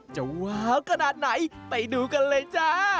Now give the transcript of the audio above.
จะว้าวกระดาษไหนไปดูกันเลย